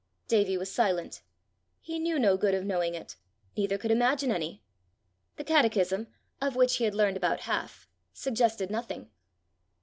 Davie was silent; he knew no good of knowing it, neither could imagine any. The Catechism, of which he had learned about half, suggested nothing.